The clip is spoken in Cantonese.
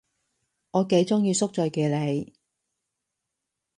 我幾鍾意宿醉嘅你